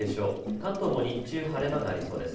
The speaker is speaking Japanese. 関東も日中晴れ間がありそうです。